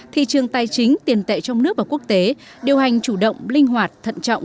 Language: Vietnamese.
thị trường tài chính tiền tệ trong nước và quốc tế điều hành chủ động linh hoạt thận trọng